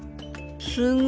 すごい。